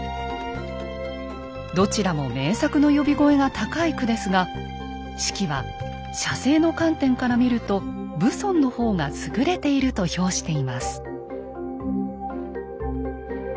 どちらも名作の呼び声が高い句ですが子規は写生の観点から見るとと評しています。